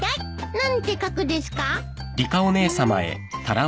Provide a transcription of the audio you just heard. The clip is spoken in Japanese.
何て書くですか？